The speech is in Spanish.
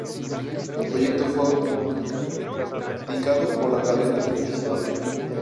El proyecto fue adjudicado por la cadena televisiva Mega.